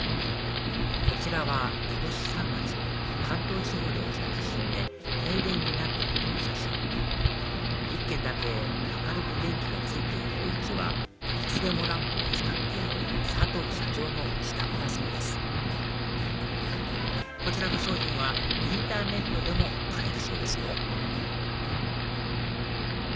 こちらは今年３月関東地方で起きた地震で停電になった時の写真１軒だけ明るく電気がついているお家はいつでもランプを使っている佐藤社長の自宅だそうですこちらの商品はインターネットでも買えるそうですよ